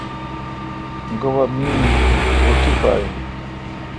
گوا می این رو تی پا این۔